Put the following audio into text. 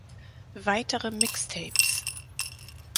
Weitere Mixtapes